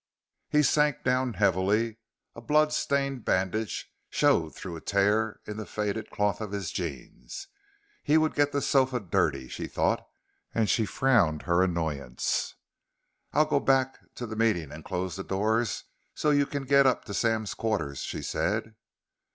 He sank down heavily. A blood stained bandage showed through a tear in the faded cloth of his jeans. He would get the sofa dirty, she thought, and she frowned her annoyance. "I'll go back to the meeting and close the door so you can get up to Sam's quarters," she said.